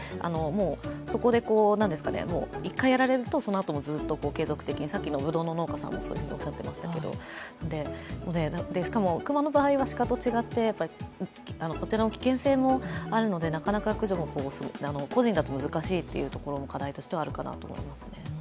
そこで一回やられると、そのあともずっと継続的に、さっきのぶどうの農家さんがおっしゃっていましたけど、しかも、熊の場合は鹿と違って、こちらの危険性もあるのでなかなか駆除をするのも個人だと難しいというのも課題としてあると思います。